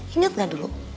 ingat gak dulu